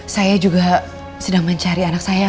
saya juga sedang mencari anak saya